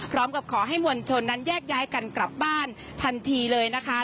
พร้อมกับขอให้มวลชนนั้นแยกย้ายกันกลับบ้านทันทีเลยนะคะ